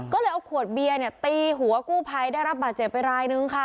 ก็เลยเอาขวดเบียร์ตีหัวกู้ภัยได้รับบาดเจ็บไปรายนึงค่ะ